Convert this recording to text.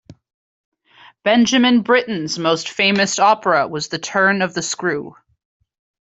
Benjamin Britten's most famous opera was The Turn of the Screw.